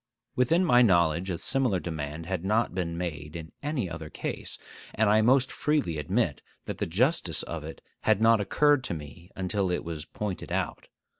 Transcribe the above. Within my knowledge a similar demand had not been made in any other case; and I most freely admit that the justice of it had not occurred to me until it was pointed out.